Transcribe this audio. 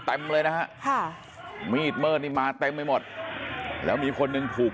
เต็มเลยนะฮะค่ะมีดเมิดนี่มาเต็มไปหมดแล้วมีคนหนึ่งถูก